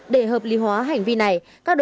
để hợp lý hóa hành vi này